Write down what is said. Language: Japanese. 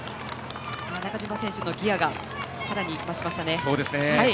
中島選手のギヤがさらに増しましたね。